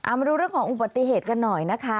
มาดูเรื่องของอุบัติเหตุกันหน่อยนะคะ